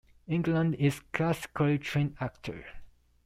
Englund is a classically-trained actor.